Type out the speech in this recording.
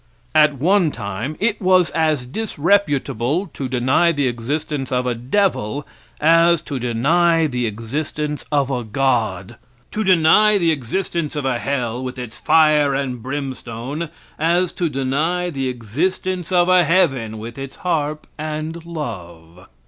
At one time it was as disreputable to deny the existence of a devil as to deny the existence of a God; to deny the existence of a hell, with its fire and brimstone, as to deny the existence of a heaven with its harp and love.